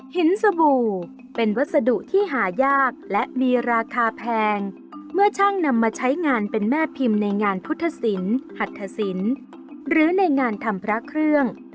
สบู่เป็นวัสดุที่หายากและมีราคาแพงเมื่อช่างนำมาใช้งานเป็นแม่พิมพ์ในงานพุทธศิลป์หัตถสินหรือในงานทำพระเครื่อง